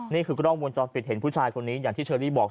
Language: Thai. นี่คือกล้องมูลจรปิดเห็นผู้ชายคนนี้อย่างที่เชอรี่บอก